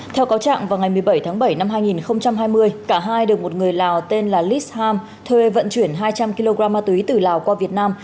theo cáo trạng vào ngày một mươi bảy tháng bảy năm hai nghìn hai mươi cả hai được một người lào tên là lis ham thuê vận chuyển hai trăm linh kg ma túy từ lào qua việt nam